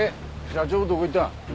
社長どこ行ったん？